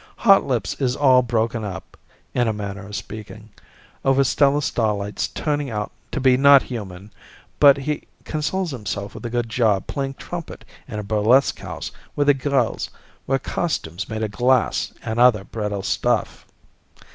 Hotlips is all broken up, in a manner of speaking, over Stella Starlight's turning out to be not human, but he consoles himself with a good job playing trumpet in a burlesque house where the girls wear costumes made of glass and other brittle stuff.